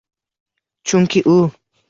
Chunki u